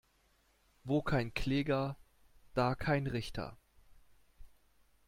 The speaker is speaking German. Wo kein Kläger, da kein Richter.